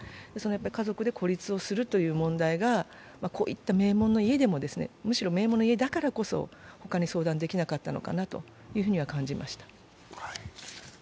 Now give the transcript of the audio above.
家族で孤立をするという問題がこういった名門の家でも、むしろ名門の家だからこそ、ほかに相談できなかったのかなというふうには感じました。